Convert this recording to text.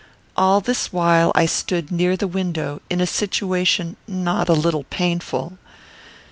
All this while I stood near the window, in a situation not a little painful.